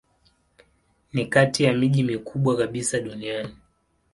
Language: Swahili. Ni kati ya miji mikubwa kabisa duniani.